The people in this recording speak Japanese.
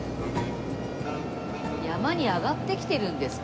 山に上がってきてるんですか？